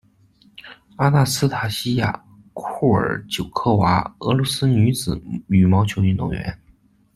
阿纳斯塔西娅·库尔久科娃，俄罗斯女子羽毛球运动员。